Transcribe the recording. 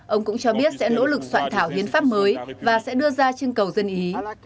ông cũng cho biết sẽ nỗ lực soạn thảo hiến pháp mới và sẽ đưa ra chương cầu dân ý